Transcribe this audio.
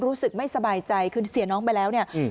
รู้สึกไม่สบายใจคือเสียน้องไปแล้วเนี่ย